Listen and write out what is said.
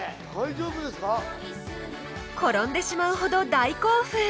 転んでしまうほど大興奮！